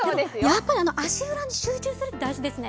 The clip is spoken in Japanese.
やっぱり足裏に集中するって大事ですね。